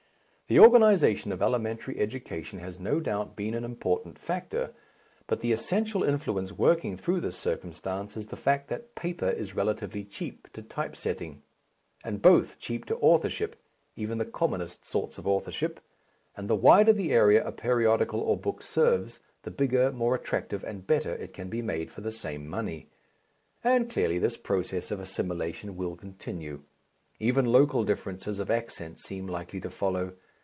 The organization of elementary education has no doubt been an important factor, but the essential influence working through this circumstance is the fact that paper is relatively cheap to type setting, and both cheap to authorship even the commonest sorts of authorship and the wider the area a periodical or book serves the bigger, more attractive, and better it can be made for the same money. And clearly this process of assimilation will continue. Even local differences of accent seem likely to follow.